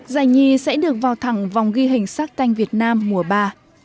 giải nhì sẽ được vào thẳng vòng ghi hình sắc tanh việt nam mùa ba